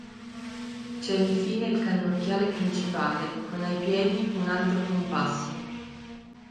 C'è infine il cannocchiale principale con ai piedi un altro compasso.